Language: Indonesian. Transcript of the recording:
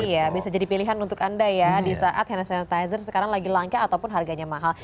iya bisa jadi pilihan untuk anda ya di saat hand sanitizer sekarang lagi langka ataupun harganya mahal